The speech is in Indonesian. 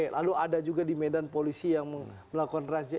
lalu ada juga di medan polisi yang melakukan razia